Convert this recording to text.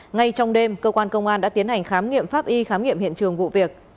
ngay trong đêm cơ quan công an đã tiến hành khám nghiệm pháp y khám nghiệm hiện trường vụ việc